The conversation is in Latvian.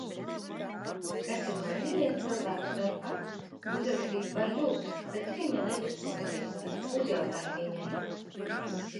Kas ir mainījies cilvēku starpā? Uzrakstīju par Ļubu, bet viņa nedusmosies. Uzjautāju viņai.